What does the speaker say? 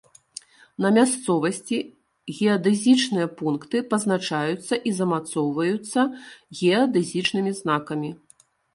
На мясцовасці геадэзічныя пункты пазначаюцца і замацоўваюцца геадэзічнымі знакамі.